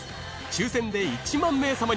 抽選で１万名様に！